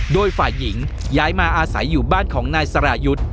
โดยฝ่ายหญิงย้ายมาอาศัยอยู่บ้านของนายสรายุทธ์